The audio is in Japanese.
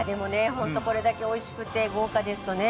ホントこれだけおいしくて豪華ですとね